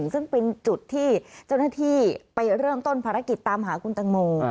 ซึ่งเป็นจุดที่เจ้าหน้าที่ไปเริ่มต้นภารกิจตามหาคุณตังโม